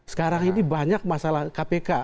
sekarang ini banyak masalah kpk